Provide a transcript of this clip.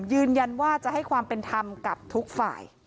ยืนยันว่าจะให้ความเป็นธรรมกับทุกฝ่าย